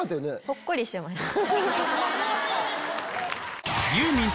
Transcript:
ほっこりしてました。